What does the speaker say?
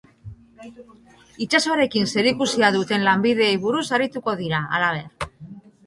Itsasoarekin zerikusia duten lanbideei buruz arituko dira, halaber.